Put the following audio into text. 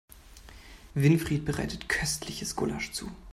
Winfried bereitet köstliches Gulasch zu.